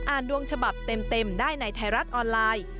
ดวงฉบับเต็มได้ในไทยรัฐออนไลน์